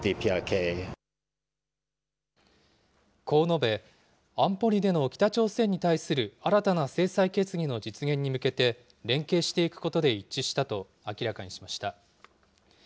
こう述べ、安保理での北朝鮮に対する新たな制裁決議の実現に向けて、連携していくことで一致したと明らかにしました。